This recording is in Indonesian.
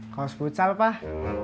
kau spucal pak